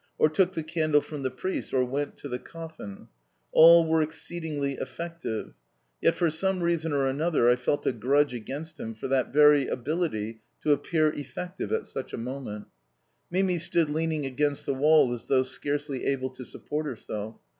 ] or took the candle from the priest or went to the coffin all were exceedingly effective; yet for some reason or another I felt a grudge against him for that very ability to appear effective at such a moment. Mimi stood leaning against the wall as though scarcely able to support herself.